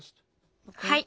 はい。